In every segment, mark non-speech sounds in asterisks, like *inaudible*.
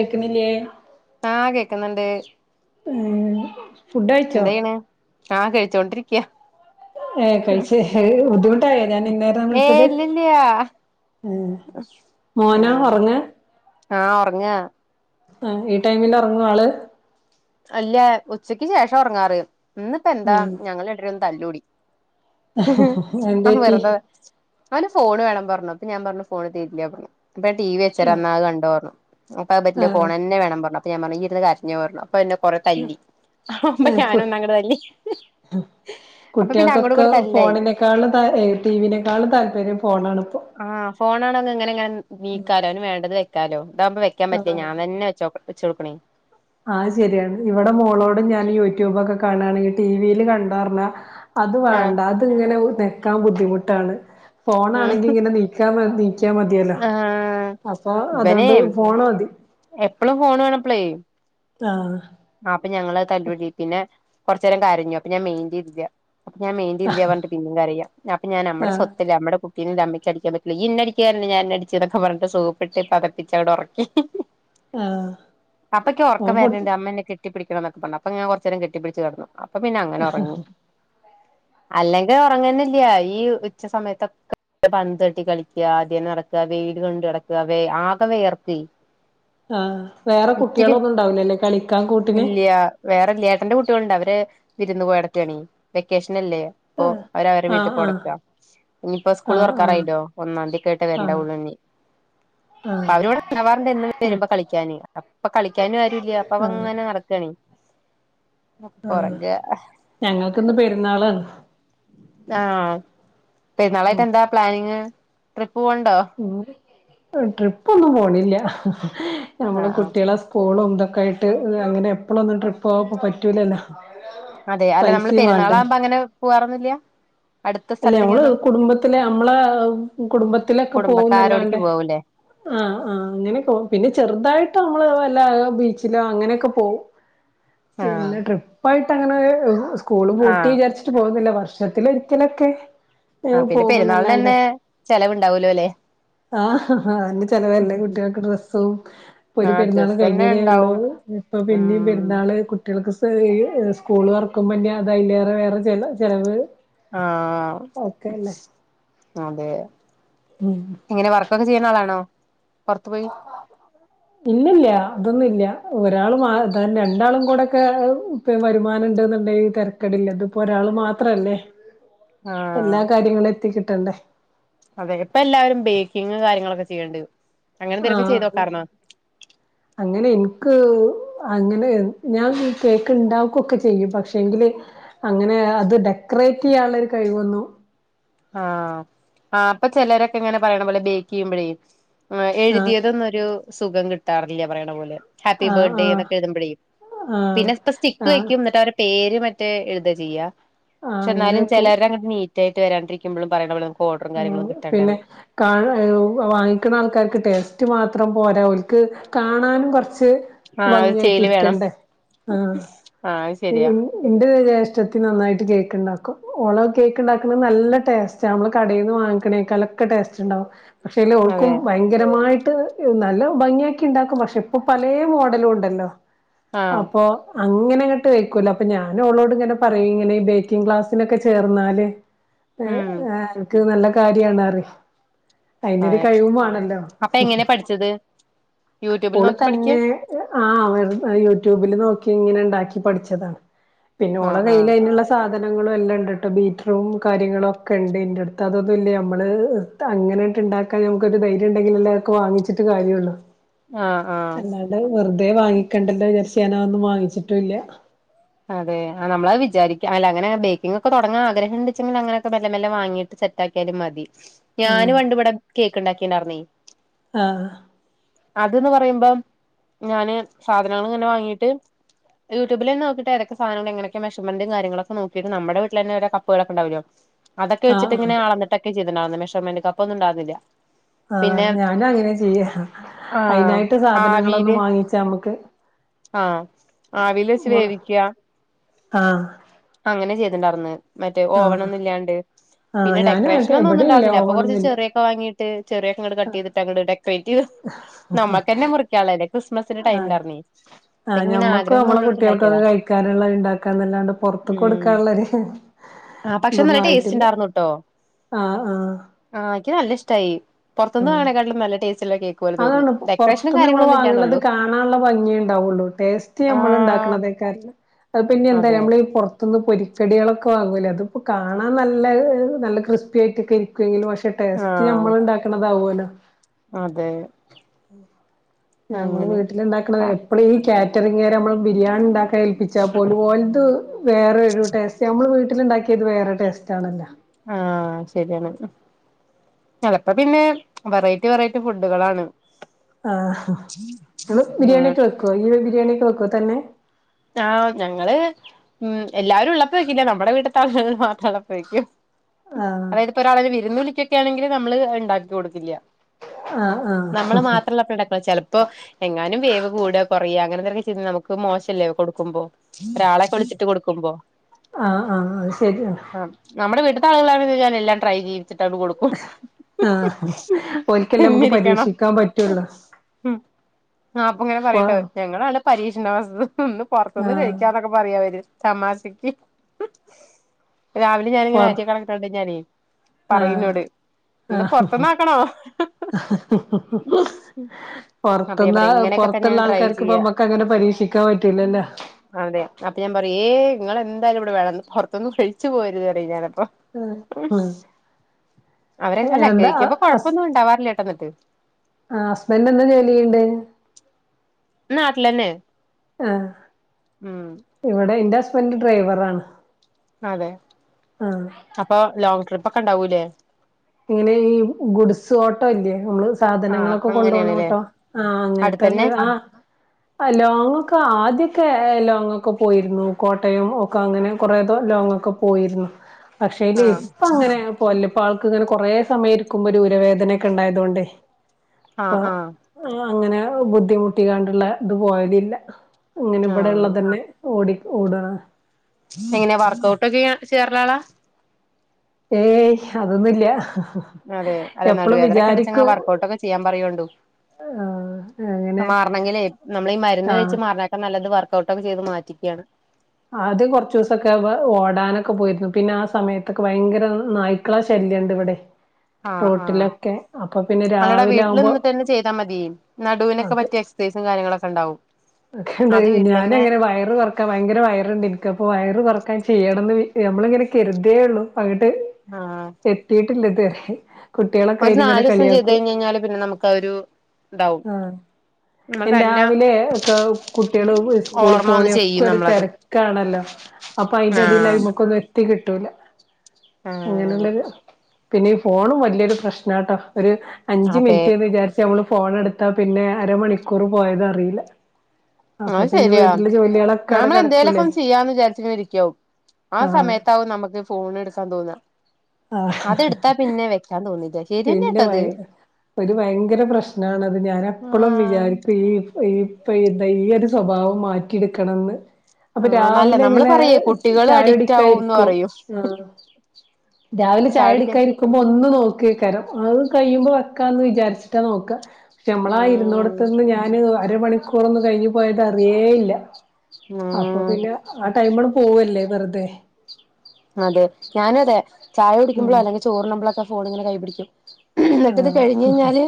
കേക്ക്ണില്ലേ? ആഹ് കേക്ക്ന്ന്ണ്ട്. *unintelligible* എന്തെയ്യ്ണ്? ആഹ് കഴിച്ചോണ്ടിരിക്കയാ ഏ കഴിച്ച് ബുദ്ധിമുട്ടായോ ഞാൻ ഇന്നേരം വിളിച്ചത്? ഏയ് ഇല്ലില്ല്യ ഉം മോനോ ആഹ് ഒറങ്ങ? ആഹ് ഒറങ്ങാ ആഹ് ഈ ടൈമിൽ ഒറങ്ങോ ആള് അല്ല ഉച്ചക്ക് ശേഷം ഒറങ്ങാറ് ഇന്ന് ഇപ്പ എന്താ ഞങ്ങള് രണ്ടരും തല്ലൂടി. എന്ത് ആ പറ്റി വെറുതെ അവന് ഫോണ് വേണം പർഞ്ഞു അപ്പ ഞാൻ പർഞ്ഞു ഫോണ് തരീല്ല പർഞ്ഞു അപ്പ ടി വി കൊർച്ചരന്നാ അത് കണ്ടോ ർഞ്ഞു അപ്പ അത് ആ പറ്റില്ല ഫോണന്നെ വേണം പർഞ്ഞു അപ്പ ഞാൻ പർഞ്ഞ് ഇജിര്ന്ന് കര്ഞ്ഞോ ർഞ്ഞു അപ്പ *unintelligible* കൊറെ തല്ലി അപ്പ ഞാനൊന്ന് അങ്ങട് തല്ലി അപ്പ പിന്നെ അങ്ങോടും കുട്ടികൾക്കൊക്കെ ഇങ്ങടും തല്ലായി. *unintelligible* ടിവിനേക്കാളും താല്പര്ം ഫോണാണ് ഇപ്പോ. ആഹ് ഫോണാണ്ങ്ങ് ഇങ്ങനെങ്ങെ നീക്കാലോ ആന് വേണ്ടത് വെക്കാലോ ഇതാവുമ്പ വെക്കാൻ ആ പറ്റില്ല ഞാൻ തന്നെ വെച്ചോക് വെച്ചൊടുക്കണേയ്. ആഹ് ശരിയാണ്. ഇവിടെ മോളോടും ഞാൻ യൂട്യൂബൊക്കെ കാണാണെങ്കിൽ ടിവില് കണ്ടോറഞ്ഞാ അത് ആഹ് വേണ്ട അത് ഇങ്ങനെ ഞെക്കാൻ ബുദ്ധിമുട്ടാണ്. ഫോൺ ഉം ആണെങ്കിൽ ഇങ്ങനെ നീക് ക്കാൻ മതി നീക്കിയാ മതിയല്ലോ. ആഹ് അപ്പൊ ഇവനെ അതുകൊണ്ട് ഫോണ് മതി. എപ്പളും ഫോൺ വേണ ഇപ്പളേ. ആഹ്. ആഹ് അപ്പൊ ഞങ്ങള് തല്ലൂടി. പിന്നെ കുറച്ച് നേരം കരഞ്ഞു. അപ്പൊ ഞാൻ മെയിന്റേതില്ല. അപ്പൊ ഞാൻ മൈന്റേതില്ല പറഞ്ഞട്ട് പിന്നിം കരയാ. അപ്പൊ ഞാൻ അമ്മടെ ആഹ് സ്വത്തല്ലേ അമ്മടെ കുട് ട്ടീനെ ഇന്റമ്മക്ക് അടിക്കാൻ പറ്റില്ലെ ഇയ്യ്ന്നെ അടിക്കാറില്ലേ ഞാൻ ഇന്നെ അടിച്ചെന്നൊക്കെ പറഞ്ഞ്ട്ട് സോപ്പിട്ട് പതപ്പിച്ചാട് ഒറക്കി. ആഹ് അപ്പൊ ഇക്ക് ഓൻ ഉറക്കം ഫുഡ് വരുന്നുണ്ട് അമ്മന്നെ കെട്ടിപ്പിടിക്കണം എന്നൊക്കെ പറഞ്ഞു. അപ്പൊ അങ്ങനെ കുറച്ചേരം കെട്ടിപ്പിടിച്ച് കെടന്നു. അപ്പ പിന്നെ അങ്ങനൊറങ്ങി. അല്ലെങ്കി ഒറങ്ങന്നെ ഇല്ല. ഈ ഉച്ച സമയത്തൊക്കെ പന്തട്ടി കളിക്കുക, ആദ്യം നടക്കുക, വെയിൽ കൊണ്ട് നടക്കുക, വേ ആകെ വേയർക്കുവെയ്. ആഹ് വേറെ കുട്ടികളൊന്നും ഉണ്ടാവില്ലല്ലേ കളി ഇല്ല്യാ. വേറെല്ല്യ ഏട്ടന്റെ കുട്ടികളുണ്ട് അവര് വിരുന്ന് പോയടക്കയാണെ. വെക്കേഷൻ അല്ലേ. ഓഹ് ആഹ് അവരവരെ ആഹ് ആഹ് വീട്ടിപ്പോയടക്കാ. ഇഞ്ഞ്പ്പം സ്കൂള് ആഹ് തൊറക്കാറായല്ലോ. ഒന്നാംതീക്കായിട്ടെ ആഹ് വരണ്ടാവുള്ളു ഇനി. ആഹ് അവര് ആഹ് ഇവടെണ്ടാവാറുണ്ട് എന്നും വരുമ്പോ കളിക്കാന്. അപ്പൊ കളിക്കാനും ആരുല്ല അപ്പ അവൻ ആഹ് നടക്കാണി. പൊറകെ ഞങ്ങക്ക്ന്ന് പെരുന്നാളാണ്. ആഹ് പെരുന്നാളായിട്ട് എന്താ പ്ലാനിങ്ങ്? ട്രിപ്പ് പോണ് ണ്ടോ? ഓര് ട്രിപ്പൊന്നും പോണില്ല. നമ്മളെ ആഹ് ആഹ് കുട്ട്യാളെ സ് കൂളും ഇതൊക്കെയായിട്ട് അങ്ങനെ എപ്പളൊന്നും ട്രിപ്പോവാം ഇപ്പ പറ്റൂലല്ലോ. അതെ അല്ല നമ്മള് പൈസയും വേണ്ടേ പെരുന്നാളാമ്പ അങ്ങനെ പോവാറൊന്നുല്ല? അടുത്ത അല്ല നമ്മള് സ്ഥലത്തേക്കൊന്നും കുടുംബത്തിലെ നമ്മളെ കുടുംബത്തിലൊക്കെ കുടുംബക്കാരോടക്ക് പോവുന്നല്ലാണ്ടേ. പോവൂലേ ആഹ് ആഹ് അങ്ങനെയൊക്കെ പോവും. പിന്നെ ചെറുതായിട്ട് നമ്മള് വല്ല ബീച്ചിലോ അങ്ങനെയൊക്കെ പോവും. ആഹ് പിന്നെ ട്രിപ്പായിട്ട് അങ്ങനെ സ്കൂള് പൂട്ടി ആഹ് വിചാരിച്ചി ട്ട് പോവുന്നില്ല. വർഷത്തിലൊരിക്കലൊക്കെ ആഹ്. ഏഹ് പിന്നെ പെരുന്നാളിന് പോകുന്നല്ലാണ്ടെ തന്നെ ചെലവുണ്ടാവൂല്ലൊല്ലെ? ആഹ്. അന്നെ ചെലവന്നെ. കുട്ട്യാക്ക് ഡ്രസ്സും ഇപ്പൊരു ആഹ് പെരുന്നാള് ഡ്രസ്സെന്നെ കഴിഞ്ഞതേ ഒള്ളൂ. ഇണ്ടാവും ഇപ്പൊ പിന്നിം ഉം പെരുന്നാള് കു ട്ട്യാള്ക്ക്സ് ഈഹ് സ്കൂള് തൊർക്കുമ്പ ഇഞ്ഞ് അതയിലേറെ വേറെ ചെല ചെലവ്. ആഹ് ഓക്കെല്ലേ അതെ. ഉം. എങ്ങനെ വർക്കൊക്കെ ചെയ്യണ ആളാണോ, പൊറത്ത് പോയി? ഇല്ലല്ല്യ അതൊന്നുല്ല. ഒരാള് മ അതന്നെ രണ്ടാളും കൂടെക്കെ ഇപ്പ വരുമാനണ്ട്ന്ന്ണ്ടെയി തരക്കേടില്ല. ഇത്പ്പൊ ഒരാള് മാത്രല്ലേ. എല്ലാ ആഹ് കാര്യങ്ങളു എത്തിക്കിട്ടണ്ടേ. അതെ. ഇപ്പ എല്ലാരും ബേക്കിങ് കാര്യങ്ങളൊക്കെ ചെയ്യ്ണ്ട്. അങ്ങനെ എന്തേലൊക്കെ ചെയ്ത് ആഹ്. നോക്കാറ്ന്നോ അങ്ങനെ ഇൻക്ക് അങ്ങനെ, ഞാൻ ഈ കേക്ക് ഇണ്ടാക്കൊക്കെ ചെയ്യും. പക്ഷെങ്കില് അങ്ങനെ അത് ഡെക്കറേറ്റ് ചെയ്യാനുള്ളരു കഴിവൊന്നും ആഹ് ആഹ്. ഇപ്പൊ ചിലരൊക്കെ ഇങ്ങനെ പറയണ പോലെ ബേക്കയ്യുമ്പഴേ ആഹ് എഴുതിയതൊന്നും ഒരു സുഖം കിട്ടാറില്ല പറയണ പോലെ. ഹാപ്പി ആഹ് ബർഡേ ആഹ് എന്നൊക്കെ എഴുതു മ്പഴേ ആഹ് പിന്നെപ്പ സ്റ്റിക്ക് ആഹ് വെക്കും ഇന്നട്ട് അവരെ പേര് മറ്റേ എഴുതാ ചെയ്യാ ആഹ് പക്ഷെ ഇന്നാലും അങ്ങനെക്കും ചെലരൊ അങ്ങട്ട് നീറ്റായിട്ട് വരാണ്ടിരി ക്കുമ്പളും പറി ന്നവളും ആഹ് പിന്നെ കാ വാങ്ങിക്കുന്ന ആൾക്കാർക്ക് ടേസ്റ്റ് മാത്രം പോരാ ഓൽക്ക് കാണാനും കൊർച്ച് ആഹ് ഒരു വംഗിയായിട്ട് ചെയ്ല് വേണം ഇരിക്കണ്ടേ ആഹ് ആഹ് അത് ശരിയാ ഏഹ് ഇന്റെ ജേഷ്ടത്തി നന്നായിട്ട് കേക്ക് ഇണ്ടാക്കും ഓളെ കേക്ക് ഇണ്ടാക്ക്ണ നല്ല ടേസ്റ്റാ നമ്മള് കടേന്ന് വാങ്ങിക്ക്ണെക്കാലൊക്കെ ടേസ്റ്റ് ഇണ്ടാവും പക്ഷേല് അതെ ഓൾക്കും ഭയ ങ്കരമായിട്ട് നല്ല ഭംഗിയാക്കി ഇണ്ടാക്കും പക്ഷെ ഇപ്പ പലേ മോഡലും ഇണ്ടല്ലോ ആഹ് അപ്പൊ അങ്ങനെ ഇങ്ങട്ട് വൈക്കൂല അപ്പ ഞാന് ഓളോട് ഇങ്ങനെ പറയും ഇങ്ങനെ ഈ ബേക്കിംഗ് ക്ലാസിനൊക്കെ ചേർന്നാല് ഉം അൻക്ക് നല്ല കാര്യാണറിം അയിനൊരു അതെ കഴിവും വാണല്ലോ അപ്പൊ എങ്ങനെ പഠിച്ചത് യൂട്യൂബിൽ ഓള് നോക്കി പഠിക്ക തന്നെ ആഹ് വെർ യൂട്യൂബില് നോക്കി ഇങ്ങനെ ഉണ്ടാക്കി പഠിച്ചതാണ് പിന്നെ ഓള ആഹ് ആഹ് കയ്യിലയിനുള്ള സാധനങ്ങളും എല്ലണ്ട്ട്ടോ ബീറ്റ്റും കാര്യങ്ങളും ഒക്കെ ഇണ്ട് ഇന്റട് ത്ത് അതൊന്നുല്ല്യ അമ്മള് അങ്ങനെട്ട്ണ്ടാക്കാൻ നമുക്കൊരു ധൈര്യണ്ടെങ്കിലല്ലെ അഒക്കെ വാങ്ങിച്ചിട്ട് കാര്യുള്ളൂ ആഹ് ആഹ് വെർതെ വാങ്ങിക്കണ്ടല്ലോ വിചാര്ച്ച് ഞാന് ഒന്നും വാങ്ങിച്ചിട്ടുല്ല അതെ ആ നമ്മളത് വിചാരിക അല്ല അങ്ങനെ ബേക്കിങ്ങൊക്കെ തൊടങ്ങാ ആഗ്രഹണ്ട്ച്ചങ്കി അങ്ങനൊക്കെ മെല്ലെ മെല്ല വാങ്ങിട്ട് സെ റ്റാക്കിയാലും മതി ഉം ഞാന് പണ്ട് ഇവടെ കേക്ക് ഇണ്ടാക്കിണ്ടാർന്നെ അ ആഹ് അത് ന്ന് പറയുമ്പം ഞാന് സാധനങ്ങള് ഇങ്ങനെ വാങ്ങീട്ട് യൂട്യബിലെന്നെ നോക്കി ഏതൊക്കെ സാധങ്ങളെങ്ങനെക്കെ മേശർമെന്റും കാര്യങ്ങളൊക്കെ നോക്കിട്ട് നമ്മടെ വീട്ടിലന്നെ ഓരോ കപ്പുകളൊക്കെ ണ്ടാവല്ലോ അതൊക്കെ ആഹ് ആഹ് വെച്ചിട്ടിങ്ങനെ അളന്നിട്ടൊക്കെ ചെയ്തിണ്ടാർന്നെ മെഷർമെന്റ് കപ്പൊന്നും ണ്ടാർന്നില്ല ആഹ് ഞാനും അങ്ങനെ ചെയ്യാ ആഹ് അയിനായിട്ട് ആവിയില് സാധനങ്ങളൊന്നും വാങ്ങിച്ച അമ്മക്ക് ആഹ് ആവിലെച്ച് വേവിയ്ക്ക ആഹ് അങ്ങനെ ചെയ്തിണ്ടാർന്ന് മറ്റേ ആഹ് ഓവണൊന്നുല്ലാണ്ട് ആഹ് പിന്നെ ഞാനും ആയിട്ട് ഡെക്കറേഷനനൊന്നും ഒന്നും ഇവിടെ ഇല്ല ണ്ടാർന്നില്ല അപ്പൊ കൊറച്ച് ഓവണൊന്നുല്ല ചെറിയൊ യൊക്കെ വാങ്ങിട്ട് ചെറിയൊക്കെങ്ങട്ട് കട്ടെയ്തിട്ടങ്ങട്ട് ഡെക്കറേറ്റ് ചെയ്ത് *inaudible* യ്ക്കൊള്ളെല്ലേ ക്രിസ്മസിന്റെ ആഹ് ടൈമിലാർന്നെ അപ്പിങ്ങനെ ആഗ്രഹം തോന്നിട്ട്ണ്ടാക്കിയതാ ക്കാരള്ള ഇണ്ടാക്കാന്നല്ലാണ്ട് പൊറത്ത് ഉം കൊടുക്കാള്ളൊരു ആ പക്ഷെ ഇതൊന്നും നല്ല ടേസ്റ്റ് ആയിട്ടില്ല ആഹ് ആഹ് ആഹ് ഇയ്ക്ക് നല്ല ഇഷ്ട്ടായി പൊറത്ത്ന്ന് ആഹ് വാങ്ങണേക്കാട്ടിലും നല്ല ടേസ്റ്റ്ള്ള കേ അതാണ് പൊറത്ത്ന്ന് ഞമ്മള് വാങ്ങണത് കാണാന്ള്ള ഭംഗിയെ ണ്ടാവൊള്ളൂ ടേസ്റ്റ് ആ നമ്മള് ണ്ടാക്കണതേക്കാ അത് പിന്നെ എന്താ അതെ ഞമ്മളി പൊറ ത്ത്ന്ന് പൊരിക്കടികളൊക്കെ വാങ്ങൂലേ അതിപ്പോ കാണാൻ നല്ല നല്ല ക്രിസ്പി ആയിട്ടൊക്കെരി ക്കെങ്കിലും പക്ഷെ ആ ടേസ്റ്റ് ഞമ്മള്ണ്ടാക്കണതാവുല്ലോ അതെ ഞമ്മള് അങ്ങനെ വീട്ടിലിണ്ടാക്കണതേ എപ്പളും ഈ കാറ്ററിംഗ്കാരവുമ്പള് ബിരിയാണി ണ്ടാക്ക ൻ ഏൽപ്പിച്ചാ പോലും ഓലത് വേറെരു ടേസ്റ്റ് നമ്മള് വീട്ടിലുണ്ടാക്കിയത് വേറെ ടേസ്റ്റ് ആണല്ലോ ആഹ് ശരിയാണ് ചെലപ്പോ പിന്നെ വെറൈറ്റി വെറൈറ്റി ഫുഡുകളാണ് ആഹ് ങ്ങള് ഉം ബിരിയാണിയൊക്കെ വെക്കൊ ഇയ്യ് ബിരിയാണിയൊക്കെ വെക്കോ തന്നെ ആഹ് ഞങ്ങള് ഉം എല്ലാരും ഉള്ളപ്പോ വെക്കില്ല നമ്മടെ വീട്ട്ത്തെ ആൾക്കാര് മാത്രം ള്ളപ്പോ വെയ്ക്കും ആഹ് പ്പൊരാളെ വിരുന്ന് വിളിക്കൊക്കാണെങ്കില് നമ്മള് ണ്ടാക്കി കൊടുക്കില്ല ആഹ് നമ്മള് ആഹ് മാത്രള്ളപ്പോണ്ടാക്കൊള്ളു ചെല പ്പം എങ്ങാനും വേവ് കൂടേ കൊറയേ അങ്ങനെന്തേലൊക്കെ ചെയ്ത നമുക്ക് മോശല്ലേ കൊടുക്കുമ്പോ ഒരാളെക്കെ വിളിച്ചിട്ട് കൊടുക്കുമ്പോ ആഹ് ആഹ് അത് ശെരിയാണ് ആഹ് നമ്മടെ വീട്ട്ത്തെ ആളുകളാണേല് ഞാൻ എല്ലാം ട്രൈ ചെയ്യിച്ചിട്ടങ് കൊടുക്കും ആഹ് ഓൽക്കല്ലേ മ്മക്ക് തിന്നിരിക്കണം പരീക്ഷിക്കാൻ പറ്റൊള്ളു ആഹ് അപ്പൊ ഇങ്ങനെ പറയൂട്ടോ ഞങ്ങളാണ് പരീക്ഷണവസ്തു ഇന്ന് പൊർത്ത്ന്ന് ആഹ് കഴിയ്ക്കാന്നൊക്കെ പറയും അവര് തമാശയ്ക്ക് രാവിലെ ഞാനിങ്ങനെ പൊർ അരിയൊക്കെ അളക്ക്ണണ്ടയ്ഞാലെ ആഹ് പറയുന്നോട് ആഹ് പുറത്തുന്ന് ആക്കണോ അപ്പൊ ഞാൻ പൊർത്ത്ന്ന പറയും ഇങ്ങനെയൊക്കെ തന്നെയാണ് പൊർത്ത്ള്ള ട്രൈ ആൾക്കാർക്കിപ്പോ ചെയ്യ മ്മക്കങ്ങനെ പരീക്ഷിക്കാൻ പറ്റൂലല്ലോ അതെ അപ്പൊ ഞാൻ പറയും ഏയ് ഇങ്ങളെന്തായാലും ഇവടെ വേണംന്ന് പൊർത്ത്ന്ന് കഴിച്ചു പോവര്ത് ന്ന് പറയും ഞാനപ്പൊ ഉം അവരെ അല്ല എന്താ കേറ്റിയപ്പൊ ഹസ് കൊഴപ്പൊന്നുണ്ടാവാറില്ല ട്ടോ ന്ന്ട്ട് ആഹ് ഹസ്ബന്റെന്താ ജോലിയ്യ്ണ്ട് നാട്ട്ലെന്നെ ആഹ് ഇവടെ ഇന്റെ ഹസ്ബന്റ് ഡ്രൈവറാണ് അതെ ആഹ് അപ്പൊ ലോങ് ട്രിപ്പൊക്കെ ണ്ടാവൂല്ലേ ഇങ്ങനെ ഈ ഗുഡ്സ് ഓട്ടോ ല്ലേ നമ്മള് ആ സാധനങ്ങളൊക്കെ കൊണ്ടോണ അങ്ങനെയാണല്ലേ ഓട്ടോ ആഹ് അങ്ങൻത്തത് അടുത്തന്നെ ആഹ് ആഹ് ലോങ്ങൊക്കെ ആദ്യൊക്കെ ലോങ്ങൊക്കെ പോയിരുന്നു കോട്ടയം ഒക്കെ അങ്ങനെ കൊറേ ലോങ്ങൊക്കെ പോയിര്ന്നു ആ പക്ഷേല് ഇപ്പങ്ങനെ ങ്ങള് പോവലില്ല ഇപ്പാൾ ക്കിങ്ങനെ കൊറേ സമയം ഇരിക്കുമ്പൊരു ഊരവേദനെക്കെ ണ്ടായതൊണ്ടേ ആ ഇപ്പൊ ആ അങ്ങനെ ബുദ്ധിമുട്ടിങ്ങാണ്ട്ള്ള ഇത് പോകലില ഇങ്ങനെ ആ ഇവടെള്ളതെന്നെ ഓടി ഓടണ എങ്ങനെ വർക്ക് ഔട്ടൊക്കെ ചെയ്യാർള്ളാളാ ഏയ് അതൊന്നുല്ല അതെ അതെ എപ്പളും നടുവേനക്കെണ്ടിച്ചങ്ങാ വിചാരിക്കും വർക്കഔട്ടൊക്കെ ചെയ്യാൻ പറയോണ്ടു ആഹ് അങ്ങനെ മാർണെങ്കിലേ നമ്മളീ മരുന്ന് ആഹ് കഴിച്ച് മാർണേക്കാൾ നല്ലത് വർക്കഔട്ടൊക്കെ ചെയ്ത് മാറ്റിക്യാണ് ആദ്യം കൊർച്ചൂസൊക്കെ വെ ഓടാനൊക്കെ പോയിരുന്നു പിന്നെ ആ സമയത്തൊക്കെ ഭയങ്കര നായ്ക്കള ശല്യണ്ട് ഇവടെ *unintelligible* ആഹ് ആഹ് അല്ലട രാവിലെ വീട്ടില് ആവുമ്പോ നിന്നിട്ടെന്നെ ചെയ്താ മതി നടുവിനൊക്കെ പറ്റിയ എക്സേസും കാര്യങ്ങളൊക്കെ ണ്ടാവും ക്ക്ണ്ടേ ഞാനങ്ങനെ വയറ് കൊറ ക്ക ഭയങ്കര വയറ്ണ്ട് ഇൻക്ക് അപ്പൊ വയറ് കൊർക്കാൻ ചെയ്യണംന്ന് നമ്മളിങ്ങനെ കെര്തേള്ളു അങ്ങട്ട് ആഹ് എത്തിട്ടില്ലതുവെരെ ഒരു കുട്ട്യാളൊക്കയ്ന്ങ്ങനെ നാലൂസം ചെയ്ത് കളിയാക്കും കഴിഞ്ഞ് കഴിഞ്ഞാല് പിന്നെ നമുക്ക് അതൊരു ഇതാവും. ആഹ് നമ്മള് അയ്ന് തന്നെ രാവിലെ ഒക്കെ കുട്ട്യാള് സ്കൂള് ഓർമ്മ വന്ന് ചെയ്യും പോണയൊക്കൊരു നമ്മളത് തെരക്കാണല്ലോ അപ്പൊ അയ്ന്റെ എടേല് ആഹ് അയ്മക്കൊന്നും എത്തി കിട്ടൂല ആഹ് അങ്ങനെള്ളൊരു പിന്നെ ഈ ഫോണും വല്യോരു പ്രശ്നാട്ടോ ഒരു അഞ്ച് അതെ മിൻറ്റ്ന്ന് വിചാരിച് ച്ച് നമ്മള് ഫോണ്ട്ത്ത പിന്നെ അരമണിക്കൂറ് പോയതറില്ല അത് ശരിയാ ജോലികളൊക്കെ അവിടെ നമ്മൾ കിടക്കൂലേ എന്തേലൊക്കൊന്ന് ചെയ്യാന്ന് വിചാരിച്ചിരിക്ക്യാവും ആ ആഹ് സമയത്താവും നമുക്ക് ഫോൺ എടുക്കാൻ തോന്നാ അത് ഇടുത്താ പിന്നെ വെ ക്ക തോന്നീല *unintelligible* പ്പിന്റെ വൈ ഒരു വയങ്കര പ്രശ്നാണത് ഞാൻ എപ്പളും ആഹ് വിചാരിക്കും ഈ ഈ ഇപ്പൊ ഇത ഈ ഒരു സ്വഭാവം മാറ്റിടുക്കണംന്ന് അപ്പൊ ആഹ് നല്ല രാവിലെ നമ്മള് ഇങ്ങനെ പറയേ കുട്ടികള് ചായ അഡിക്റ്റ് ആവുംന്ന് കുടിക്കായിരിക്കും, പറയും ആഹ് രാവിലെ ചായ കുടിക്കാ ഇരിക്കുമ്പോ ഒന്ന് നോക്ക എയ്ക്കാരം അത് കയുമ്പോ വെക്കാന്ന് വിചാരിച്ചിട്ടാ നോക്ക ക്ഷെ അമ്മളാ ഉം ഇരുന്നോട്ത്ത് നിന്ന് ഞാന് അരമണിക്കൂറൊന്നും കഴിഞ്ഞു പോയത് അറിയേയില്ല അപ്പൊ ഉം പിന്നെ ആ ടൈമണ് പോവല്ലേ വെറുതെ അതെ ഞാനു അതെ ചായ ഉം കുടിക്കുമ്പളോ അല്ലെങ്കി ചോറുണ്ണുമ്പളൊക്കെ ഫോണിങ്ങനെ കയ്യ് പിടിക്കും ഇന്നട്ട്ത് ആഹ് കഴിഞ്ഞ് കഴിഞ്ഞാല്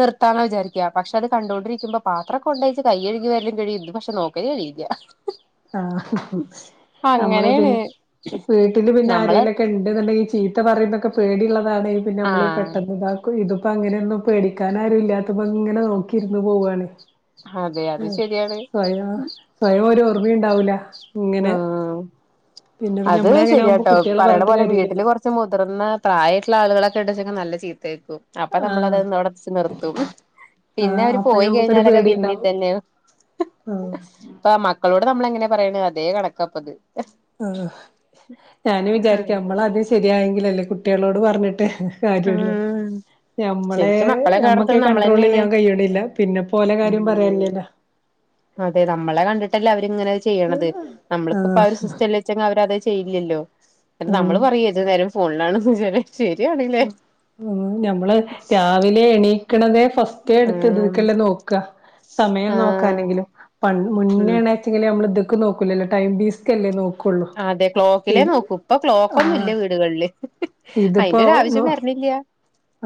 നിർത്താന്ന വിചാരിക്ക പക്ഷെ അത് കണ്ടുകൊണ്ടിരിക്കുമ്പോ പാത്രംക്ക കൊണ്ടഴിച്ച് കൈ കഴുകിവര *unintelligible* പക്ഷെ നോക്കല് കഴിയില്ല ആഹ് നമ്മള് അങ്ങനേണ് പിന്നെ വീട്ടില് പിന്നെ നമ്മള് ആരേലൊ ക്കെ ഇണ്ട്ന്ന്ണ്ടെങ്കി ചീത്ത പറയുന്നൊക്കെ പേടിയള്ളതാണെ പിന്നെ അമ്മള് ആഹ് പെട്ടെന്ന്ത ഇതിപ്പോ അങ്ങനെന്നും പേടിക്കാനാരുംല്ലാത്തപ്പോ ഇങ്ങനെ നോക്കിരിന്ന് പോവണെയ് അതെ അത് ശെരിയാണ് സ്വയം ഒരു ഓർമ്മിണ്ടാവൂല. ആഹ് ആഹ് അത് ഞമ്മളെ അങ്ങനെ ആകുമ്പോ ശരിയാട്ടോ കുട്ടികളെ പറയ്ണ പറഞ്ഞിട്ട് പോലെ വീട്ടില് കാര്യല്ലല്ലോ കൊർ ച്ച് മുതിർന്ന പ്രായായ്ട്ട്ള്ള ആളുകളൊക്കെ ഇണ്ട്ചേക്കെ നല്ല ചീത്തേക്കും അപ്പ നമ്മള ആഹ് അത്ന്ന് അവിടെച്ച് നിർത്തും പിന്നെ ആഹ് അവര് അപ്പൊ പോയി ഞമ്മക്കൊരു കഴിഞ്ഞാലൊക്കെ പിന്നിം പേടിണ്ടാവും ഇതന്നെയ ആഹ് മക്കളോട് നമ്മളെങ്ങനെ പറയ്ണെ അതേ കണക്കാപ്പത് ആഹ് ഞാനും വിചാരിക്കും അമ്മളാ അങ്ങനെ ആദ്യം ശരിയായെങ്കിലല്ലേ കുട്ടിയാളോട് പറഞ്ഞിട്ട് കാര്യയൊള്ളൂ ഉം നമ്മളെ ശരിക്കും മക്കളെ നമ്മക്കെ കേടർത്തണ കണ്ട്രോൾ നമ്മളന്നെയാണ് ചെയ്യാൻ കഴിയ്ണില്ല പിന്നെ ഇപ്പൊ ഓലെ കാര്യം ഉം പറയാല്ലല്ലോ അതെ നമ്മളെ കണ്ടിട്ടല്ലേ അവരിങ്ങനെത് ചെയ്യണത് നമ്മളിപ്പ ഇപ്പൊപ്പാ ആഹ് ഒരു സിസ്റ്റ ച്ച അവരത് ചെയ്യില്ലല്ലോ എന്നട്ട് ഉം നമ്മള് പറയും ഏത് നേരം ഫോണിലാണെന്ന് ശരിയാണ് ഉം ഞമ്മള് രാവിലെ എണീക്കണതേ ഫസ്‌ റ്റേ ഇട്ത്ത് ഉം ഇതീക്കല്ലേ നോക്ക സമയം ആഹ് നോക്കാനെങ്കിലും പ ഉം മുന്നെണെ ച്ചിങ്ങല് അമ്മള് ഇത്ക്ക് നോക്കുലല്ലോ ടൈംപീസ് ക്കെല്ലേ നോക്കൊള്ളൂ അതെ ക്ലോക്കിലേ നോക്കൂ ഇപ്പൊ ക്ലോക്ക് ഒന്നും ആഹ് ഇല്ല വീട്കളില് ഇതിപ്പോ അയിന്റോര് ആവിശ്യം വര്ണില്ല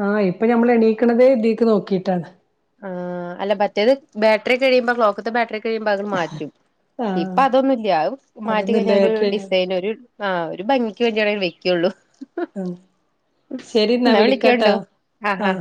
ആഹ് ഇപ്പ ഞമ്മള് എണീക്ണതേ ഇതീക്ക് നോക്കീട്ടാണ് ആഹ് അല്ല മറ്റേത് ബാറ്ററി ഒക്കെ കഴിയുമ്പോ ക്ലോക്ക്ത്തെ ബാറ്ററി കയ്യുമ്പോ അതങ് മാറ്റും ഇപ്പ ആഹ് അതൊന്നുംല്ല അഹ് മാറ്റിക്കഴിഞ്ഞാ അതൊന്നുംല്ല ഒര് ഡിസൈൻ ഒരു ആഹ് ഒരു ഭംഗിക്ക് വേണ്ടിയാണ് വയ്ക്കൊള്ളൂ ശരി എന്നാ ഇന്നാ വിളിക്കാട്ടാ വിളിക്കൊണ്ടു ആഹ് ആഹ്